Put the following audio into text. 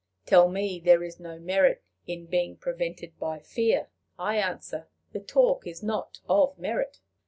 Tell me there is no merit in being prevented by fear; I answer, the talk is not of merit.